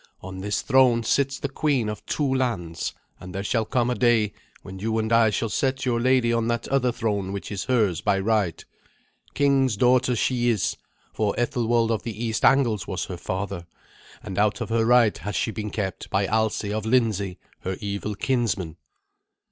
On this throne sits the queen of two lands, and there shall come a day when you and I shall set your lady on that other throne which is hers by right. King's daughter she is, for Ethelwald of the East Angles was her father, and out of her right has she been kept by Alsi of Lindsey, her evil kinsman."